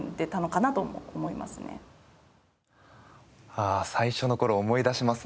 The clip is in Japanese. ああ最初の頃思い出しますね。